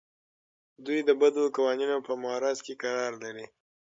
دوی د بدو قوانینو په معرض کې قرار لري.